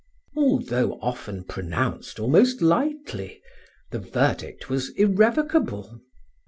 Although often pronounced almost lightly, the verdict was irrevocable.